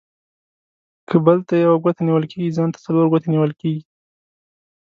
که بل ته يوه گوته نيول کېږي ، ځان ته څلور گوتي نيول کېږي.